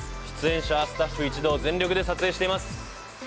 出演者スタッフ一同全力で撮影しています